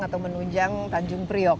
atau menunjang tanjung priok